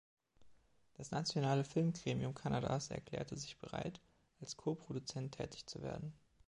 Das nationale Filmgremium Kanadas erklärte sich bereit, als Koproduzent tätig zu werden.